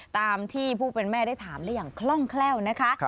ตามที่ผู้เป็นแม่ได้ถามได้อย่างคล่องแคล่วนะคะ